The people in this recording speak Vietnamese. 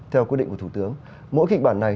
theo quyết định của thủ tướng mỗi kịch bản này